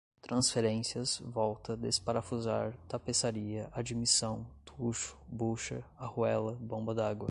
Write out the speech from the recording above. transferências, volta, desparafusar, tapeçaria, admissão, tucho, bucha, arruela, bomba d'água